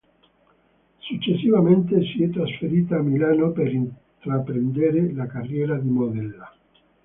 Successivamente si è trasferita a Milano per intraprendere la carriera di modella.